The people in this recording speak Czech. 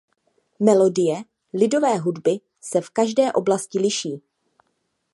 Melodie lidové hudby se v každé oblasti liší.